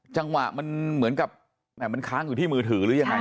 จังหวะมันเหมือนกับมันค้างอยู่ที่มือถือหรือยังไง